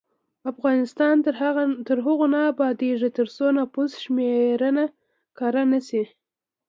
افغانستان تر هغو نه ابادیږي، ترڅو نفوس شمېرنه کره نشي.